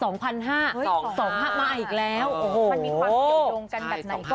มันมีความเกี่ยวโดงกันแบบไหนกัน